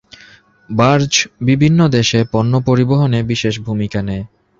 Barge বিভিন্ন দেশে পণ্য পরিবহনে বিশেষ ভূমিকা নেয়।